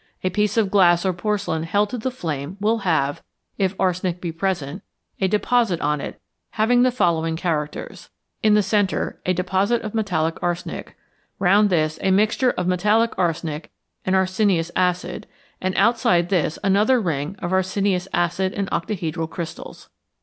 A piece of glass or porcelain held to the flame will have, if arsenic be present, a deposit on it having the following characters: In the centre a deposit of metallic arsenic, round this a mixture of metallic arsenic and arsenious acid, and outside this another ring of arsenious acid in octahedral crystals.